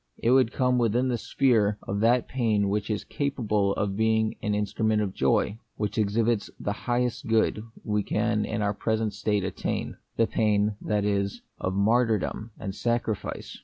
It would come within the sphere of that pain which is capable of being the instru ment of joy ; which exhibits the highest good we can in our present state attain, — the pain, that is, of martyrdom and sacrifice.